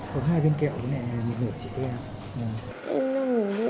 có hai viên kẹo một nửa chỉ theo